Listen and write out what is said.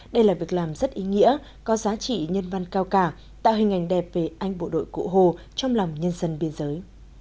đây là việc làm rất ý nghĩa có giá trị nhân văn cao cả tạo hình ảnh đẹp về anh bộ đội cụ hồ trong lòng nhân dân biên giới